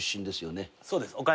そうです。